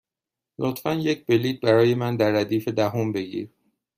لطفا یک بلیط برای من در ردیف دهم بگیر.